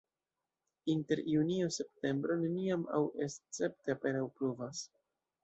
Inter junio-septembro neniam aŭ escepte apenaŭ pluvas.